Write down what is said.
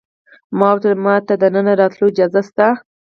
ما ورته وویل: ما ته د دننه راتلو اجازه شته؟